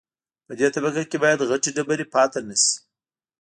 په دې طبقه کې باید غټې ډبرې پاتې نشي